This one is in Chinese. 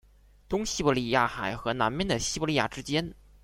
东西伯利亚海和南面的西伯利亚之间。